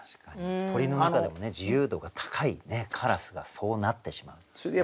鳥の中でも自由度が高いカラスがそうなってしまうっていうね。